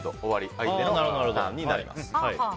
相手のターンになります。